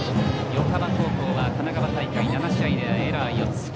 横浜高校は神奈川大会７試合でエラー４つ。